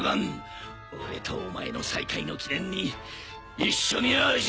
俺とお前の再会の記念に一緒に味わおうぜ。